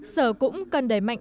sở cũng cần đẩy mạnh